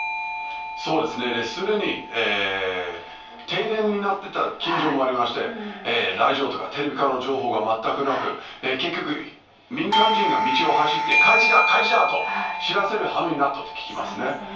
そうですね、すでに停電になってた近所もありまして、ラジオとかテレビからの情報が全くなく、結局、民間人が道を走って、火事だ火事だと知らせるはめになったと聞きますね。